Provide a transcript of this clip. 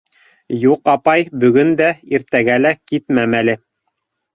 — Юҡ, апай, бөгөн дә, иртәгә лә китмәм әле.